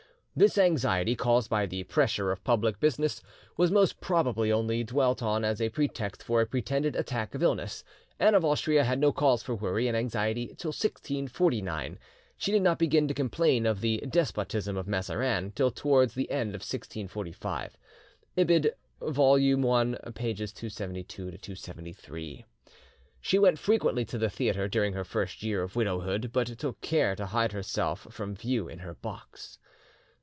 "This anxiety, caused by the pressure of public business, was most probably only dwelt on as a pretext for a pretended attack of illness. Anne of Austria had no cause for worry and anxiety till 1649. She did not begin to complain of the despotism of Mazarin till towards the end of 1645" (Ibid., viol. i. pp. 272, 273). "She went frequently to the theatre during her first year of widowhood, but took care to hide herself from view in her box."